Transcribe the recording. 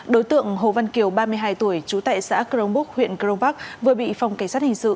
đối tượng hồ văn kiều ba mươi hai tuổi trú tại xã crongbúc huyện crongbac vừa bị phòng cảnh sát hình sự